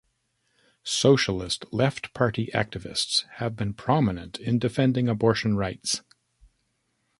Socialist Left Party activists have been prominent in defending abortion rights.